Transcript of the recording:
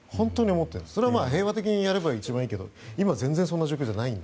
それは平和的にやれば一番いいけど今全然そんな状況じゃない。